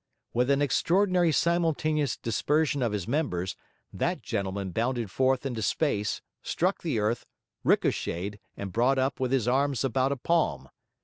With an extraordinary simultaneous dispersion of his members, that gentleman bounded forth into space, struck the earth, ricocheted, and brought up with his arms about a palm.